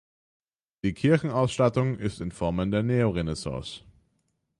Die Kirchenausstattung ist in Formen der Neorenaissance.